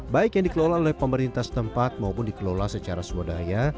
baik yang dikelola oleh pemerintah setempat maupun dikelola secara swadaya